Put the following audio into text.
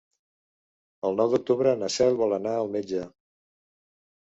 El nou d'octubre na Cel vol anar al metge.